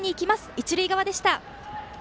一塁側でした。